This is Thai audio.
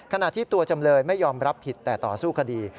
ขณะที่ตัวจำเลยไม่ยอมรับผิดแต่ต่อสู้คดี